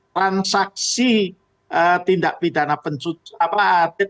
transaksi tindak pidana pencuci